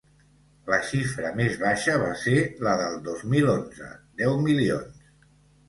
La xifra més baixa va ser la del dos mil onze: deu milions.